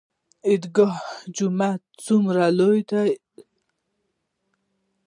عیدګاه جومات څومره لوی دی؟